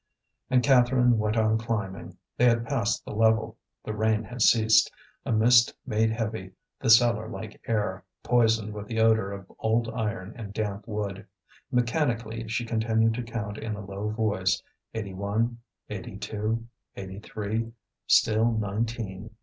And Catherine went on climbing. They had passed the level. The rain had ceased; a mist made heavy the cellar like air, poisoned with the odour of old iron and damp wood. Mechanically she continued to count in a low voice eighty one, eighty two, eighty three; still nineteen.